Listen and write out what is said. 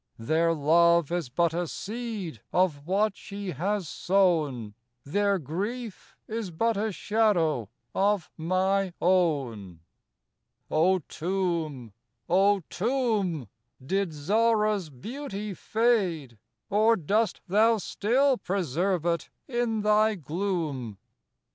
Their love is but a seed of what she has sown; Their grief is but a shadow of my own. O Tomb, O Tomb! did Zahra's beauty fade, Or dost thou still preserve it in thy gloom?